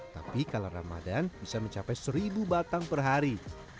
tapi kalau ramadan bisa mencapai seribu batang per hari